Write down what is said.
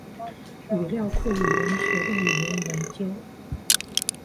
语料库语言学的语言研究。